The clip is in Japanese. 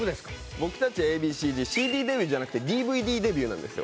僕たちＡ．Ｂ．Ｃ−ＺはＣＤデビューじゃなくてＤＶＤデビューなんですよ。